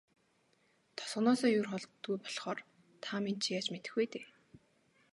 Тосгоноосоо ер холддоггүй болохоор та минь ч яаж мэдэх вэ дээ.